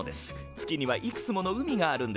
月にはいくつもの海があるんですよ。